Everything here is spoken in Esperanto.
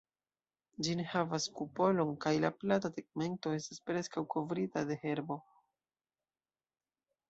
Ĝi ne havas kupolon, kaj la plata tegmento estas preskaŭ kovrita de herbo.